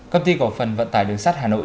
công ty cổ phần vận tài đường sát hà nội